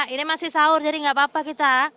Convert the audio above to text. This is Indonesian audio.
ini masih sahur jadi gak apa apa kita